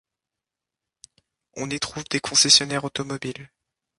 On y trouve des concessionnaires automobiles.